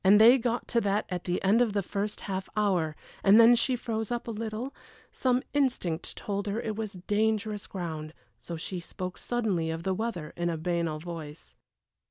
they got to that at the end of the first half hour, and then she froze up a little; some instinct told her it was dangerous ground, so she spoke suddenly of the weather, in a banal voice.